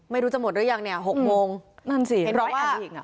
ไม่รู้จะหมดหรือยังเนี่ย๖โมง